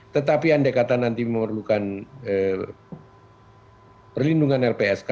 tetapi andai kata nanti memerlukan perlindungan lpsk